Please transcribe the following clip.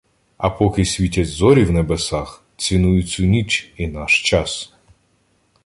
А поки світять зорі в небесах, Цінуй цю ніч і наш час!